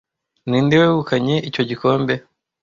Ninde wegukanye icyo gikombe